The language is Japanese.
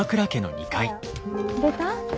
出た？